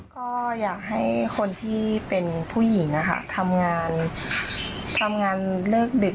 ก็อยากให้คนที่เป็นผู้หญิงนะคะทำงานทำงานเลิกดึก